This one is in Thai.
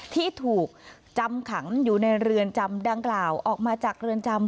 ที่ถูกจำขังอยู่ในเรือนจำดังกล่าวออกมาจากเรือนจำ